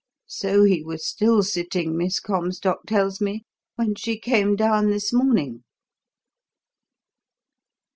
So he was still sitting, Miss Comstock tells me, when she came down this morning.